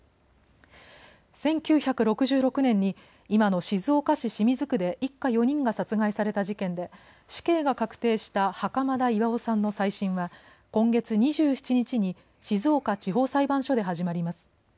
１９６６年に今の静岡市清水区で一家４人が殺害された事件で死刑が確定した袴田巌さんの再審は今月２７日に静岡地方裁判所で始まります。